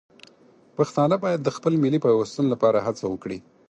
پښتانه باید د خپل ملي پیوستون لپاره هڅه وکړي.